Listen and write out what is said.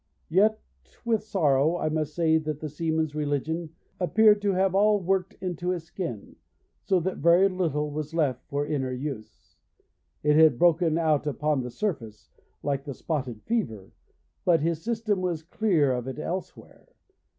Yet with sorrow I must say that the seaman's religion appeared to have all worked into his skin, so that very little was left for inner use. It had broken out upon the surface, like the spotted fever, but his system was clear of it elsewhere.